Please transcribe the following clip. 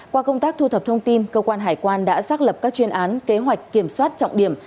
qua công tác thu thập thông tin cơ quan hải quan đã xác lập các chuyên án kế hoạch kiểm soát trọng điểm